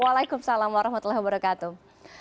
waalaikumsalam warahmatullahi wabarakatuh